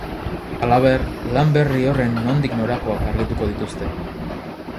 Halaber, lan berri horren nondik norakoak argituko dituzte.